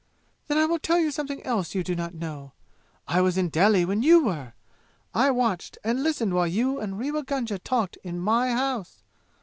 Then I will tell you something else you do not know. I was in Delhi when you were! I watched and listened while you and Rewa Gunga talked in my house!